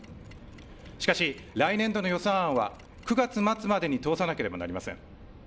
しかし来年度の予算案は９月末までに通さなければなりません。